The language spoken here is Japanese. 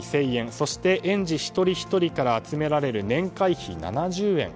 そして園児一人ひとりから集められる年会費７０円。